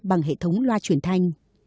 bằng hệ thống loa chuyển thanh